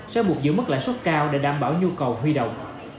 sẽ buộc giữ mức lãi suất cao để đảm bảo nhu cầu huy động